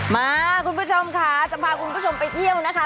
คุณผู้ชมค่ะจะพาคุณผู้ชมไปเที่ยวนะคะ